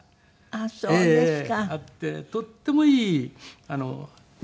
あっそうですか。